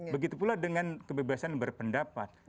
begitu pula dengan kebebasan berpendapat